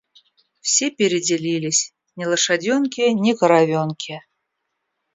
Все переделились, ни лошаденки, ни коровенки.